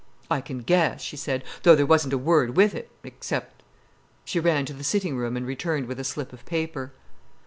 "I can guess," she said, "though there wasn't a word with it—except——" She ran to the sitting room and returned with a slip of paper.